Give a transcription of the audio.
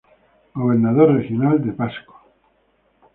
Gobernador Regional de Pasco.